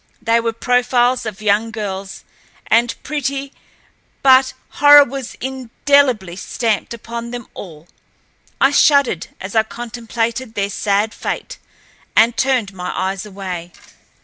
They were profiles of young girls, and pretty, but horror was indelibly stamped upon them all. I shuddered as I contemplated their sad fate, and turned my eyes away.